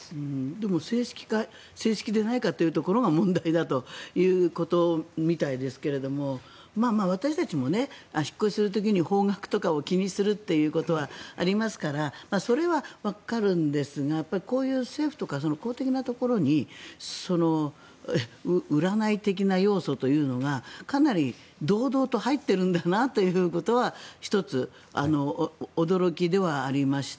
でも、正式か正式でないかというところが問題だということみたいですけども私たちも引っ越しする時に方角とかを気にすることはありますからそれはわかるんですがこういう政府とか公的なところに占い的な要素というのがかなり堂々と入っているんだなということは１つ、驚きではありました。